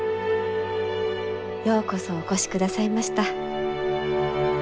ようこそお越しくださいました。